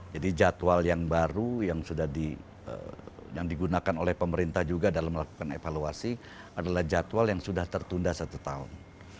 jadi jadwal yang baru yang sudah digunakan oleh pemerintah juga dalam melakukan evaluasi adalah jadwal yang sudah tertunda satu tahun